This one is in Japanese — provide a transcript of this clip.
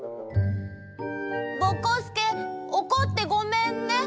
ぼこすけおこってごめんね。